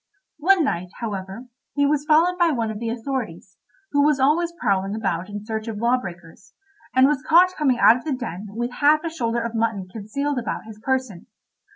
One night, however, he was followed by one of the authorities, who was always prowling about in search of law breakers, and was caught coming out of the den with half a shoulder of mutton concealed about his person.